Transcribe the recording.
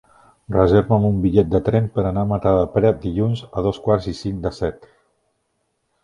Reserva'm un bitllet de tren per anar a Matadepera dilluns a dos quarts i cinc de set.